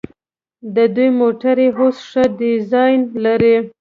د دوی موټرې اوس ښه ډیزاین لري.